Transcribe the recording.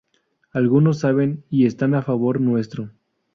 Algunos saben y están a favor nuestro.